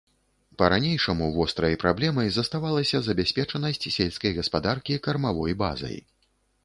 Па-ранейшаму вострай праблемай заставалася забяспечанасць сельскай гаспадаркі кармавой базай.